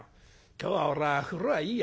今日は俺は風呂はいいや。